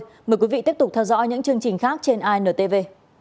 cảm ơn quý vị tiếp tục theo dõi những chương trình khác trên intv